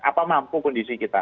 apa mampu kondisi kita